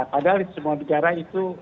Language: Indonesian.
padahal semua negara itu